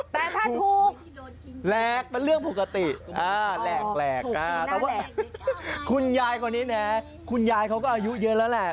แต่ถูกแรกมันเรื่องปกติแรกคุณยายกว่านี้นะคุณยายเขาก็อายุเยอะแล้วแหละ